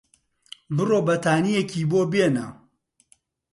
بڕۆ بەتانییەکی بۆ بێنە.